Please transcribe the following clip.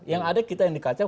yang ada kita yang dikacau